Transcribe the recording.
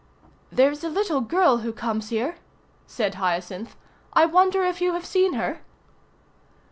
"There's a little girl who comes here," said Hyacinth. "I wonder if you have seen her?"